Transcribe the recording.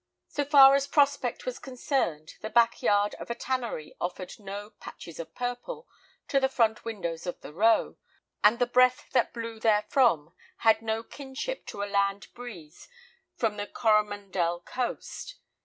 So far as prospect was concerned, the back yard of a tannery offered no "patches of purple" to the front windows of the row, and the breath that blew therefrom had no kinship to a land breeze from the Coromandel coast.